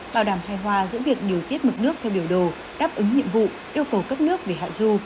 bảo đảm hài hòa giữa việc điều tiết mực nước theo biểu đồ đáp ứng nhiệm vụ yêu cầu cấp nước về hạ du